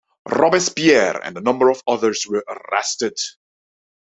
Robespierre and a number of others were arrested.